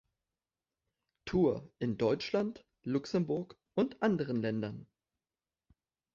Tour in Deutschland, Luxemburg und anderen Ländern.